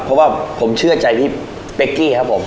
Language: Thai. เพราะว่าผมเชื่อใจพี่เป๊กกี้ครับผม